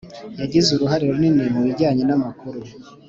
yagize uruhare runini mu bijyanye n’amakuru.